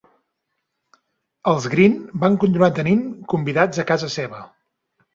Els Green van continuar tenint convidats a casa seva.